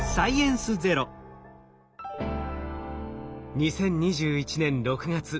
２０２１年６月。